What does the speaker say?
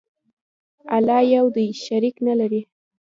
الله یو دی، شریک نه لري.